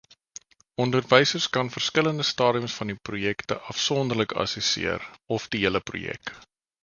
Onderwysers kan verskillende stadiums van die projekte afsonderlik assesseer, of die hele projek.